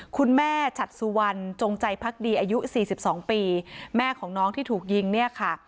คุณแม่ฉัดสุวรรณจงใจพักดีอายุ๔๒ปีแม่ของน้องที่ถูกยิงเนี่ยค่ะ